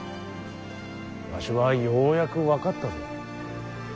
わしはようやく分かったぞ。